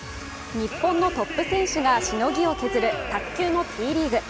日本のトップ選手がしのぎを削る卓球のＴリーグ。